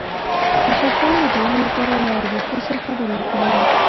د خپګان د دوام لپاره له ارواپوه سره خبرې وکړئ